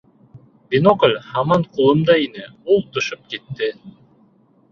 Бинокль һаман ҡулымда ине, ул төшөп китте.